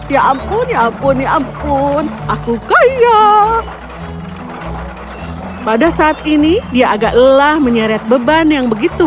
ya ampun ya ampun ya ampun aku kaya pada saat ini dia agak lelah menyeret beban yang begitu